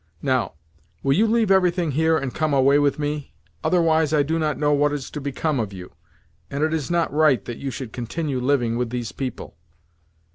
Now, will you leave everything here, and come away with me? Otherwise, I do not know what is to become of you, and it is not right that you should continue living with these people.